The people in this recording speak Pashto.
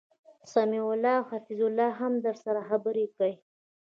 سمیع الله او حفیظ الله هم درسره خبرکی